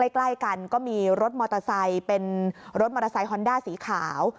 ใกล้กันก็มีรถมอเตอร์ไซค์เป็นรถมอเตอร์ไซคอนด้าสีขาว